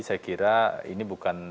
saya kira ini bukan